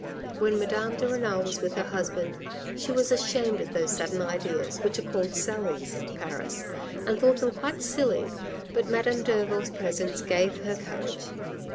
When Madame de Renal was with her husband, she was ashamed of those sudden ideas, which, are called sallies in Paris, and thought them quite silly : but Madame Derville's presence gave her courage.